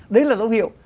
đấy là dấu hiệu